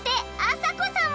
あさこさん